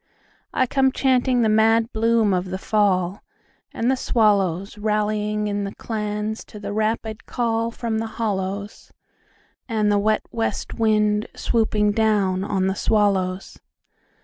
I come chanting the mad bloom of the fall. And the swallowsRallying in clans to the rapid callFrom the hollows, And the wet west wind swooping down on the swallows.